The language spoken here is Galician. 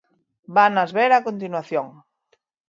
Vanas ver a continuación.